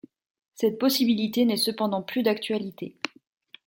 Cette possibilité n'est cependant plus d'actualité.